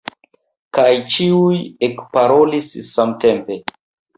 Kaj ĉiuj ekparolis samtempe.